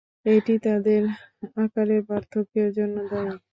এটি তাদের আকারের পার্থক্যের জন্য দায়ী।